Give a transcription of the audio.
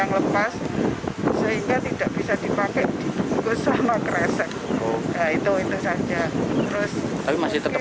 yang lepas sehingga tidak bisa dipakai dibungkus sama kresek itu itu saja terus tapi masih tetap